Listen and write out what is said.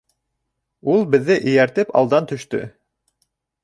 Ул беҙҙе эйәртеп алдан төштө.